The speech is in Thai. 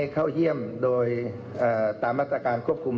สูญในแห่งการง๑๘๙๐